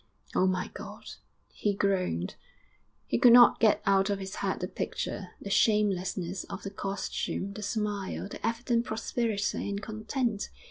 'Oh, my God!' he groaned; he could not get out of his head the picture, the shamelessness of the costume, the smile, the evident prosperity and content.